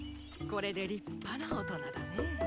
これで立派なオトナだね。